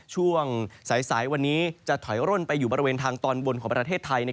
ช่วงสายวันนี้จะถอยร่นไปอยู่บริเวณทางตอนบนของประเทศไทย